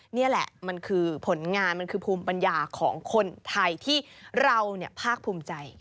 นี่แหละมันคือผลงานมันคือภูมิปัญญาของคนไทยที่เราภาคภูมิใจ